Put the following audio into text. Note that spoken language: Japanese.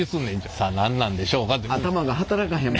さあ何なんでしょうか。